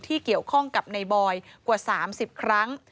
เกี่ยวข้องกับในบอยกว่า๓๐ครั้ง